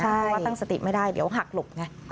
เพราะว่าตั้งสติไม่ได้เดี๋ยวหักหลบไง